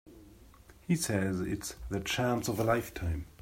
He says it's the chance of a lifetime.